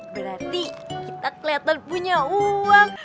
berarti kita kelihatan punya uang